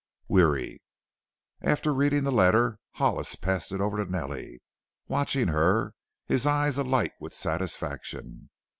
WEARY After reading the letter Hollis passed it over to Nellie, watching her, his eyes alight with satisfaction.